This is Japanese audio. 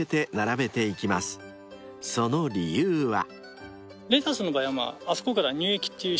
［その理由は］